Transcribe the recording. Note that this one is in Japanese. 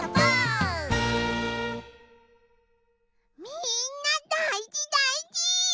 みんなだいじだいじ！